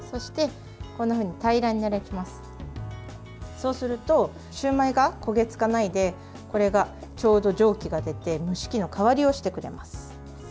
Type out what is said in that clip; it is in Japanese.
そうするとシューマイが焦げ付かないでこれがちょうど、蒸気が出て蒸し器の代わりをしてくれます。